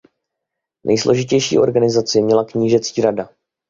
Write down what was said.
Nejsložitější organizaci měla knížecí rada.